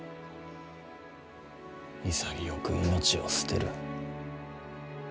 潔く命を捨てる？